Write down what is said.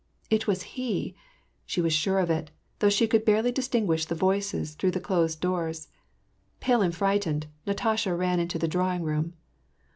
It was he / She was sure of it, though she could barelj distinguish the voices through the closed doors. Pale and frightened, Natasha ran into the drawing room.